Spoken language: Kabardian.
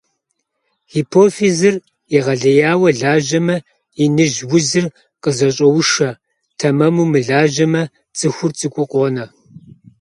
Гипофизыр егъэлеяуэ лажьэмэ, иныжь узыр къызэщӀоушэ, тэмэму мылажьэмэ - цӀыхур цӀыкӀуу къонэ.